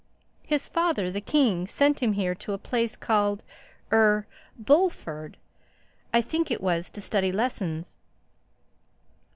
"His father, the king, sent him here to a place called—er—Bullford, I think it was—to study lessons."